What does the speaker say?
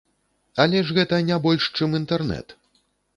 Але ж гэта не больш чым інтэрнэт!